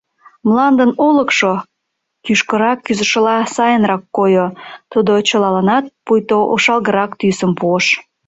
Мландын ошылыкшо кӱшкырак кӱзышыла сайынрак койо, тудо чылаланат пуйто ошалгырак тӱсым пуыш.